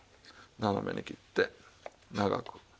斜めに切って長く。